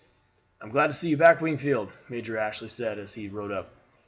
"I am glad to see you back, Wingfield," Major Ashley said, as he rode up.